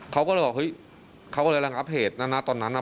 เขาก็เลยบอกเฮ้ยเขาก็เลยระงะเพจนั้นตอนนั้นอ่ะ